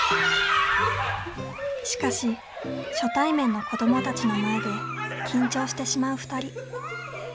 しかし初対面の子どもたちの前で緊張してしまう２人。